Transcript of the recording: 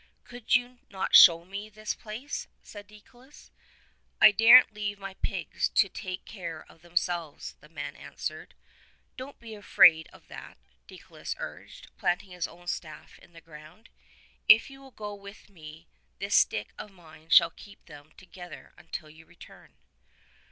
^'Could you not show me this place?" asked Deicolus. 'T daren't leave my pigs to take care of themselves," the man answered. ''Don't be afraid of that," Deicolus urged, planting his own staff in the ground. "If you will go with me this stick of mine shall keep them together until you return."